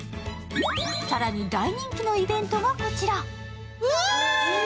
更に大人気のイベントがこちら。